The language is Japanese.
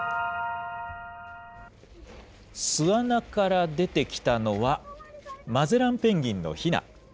巣穴から出てきたのは、マゼランペンギンのひな。